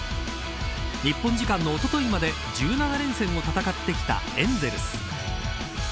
日本時間のおとといまで１７連戦を戦ってきたエンゼルス。